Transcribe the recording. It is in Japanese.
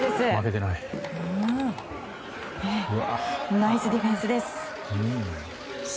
ナイスディフェンスです。